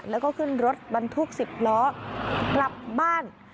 แล้วก็ขึ้นรถบรรทุก๑๐ล้อกลับบ้าน